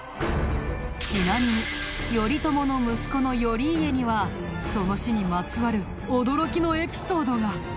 ちなみに頼朝の息子の頼家にはその死にまつわる驚きのエピソードが。